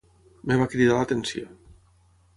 Em va cridar l'atenció.